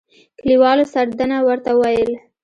کلیوالو سردنه ورته ويل.